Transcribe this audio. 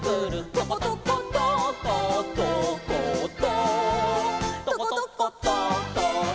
「とことことっことっこと」